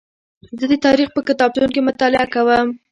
زه د تاریخ په کتابتون کې مطالعه کوم.